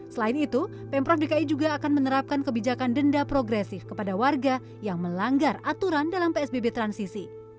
selain itu pemprov dki juga akan menerapkan kebijakan denda progresif kepada warga yang melanggar aturan dalam psbb transisi